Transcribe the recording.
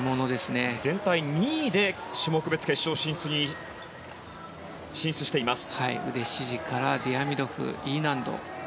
全体２位で種目別決勝に進出しています。